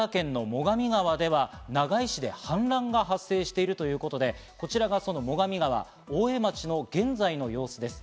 そして山形県の最上川では長井市で氾濫が発生しているということで、こちらがその最上川、大江町の現在の様子です。